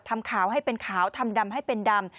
ทำขาวให้เป็นขาวทำดำให้เป็นดำ